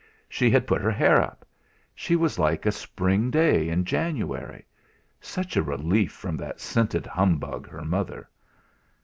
She had put her hair up! She was like a spring day in January; such a relief from that scented humbug, her mother.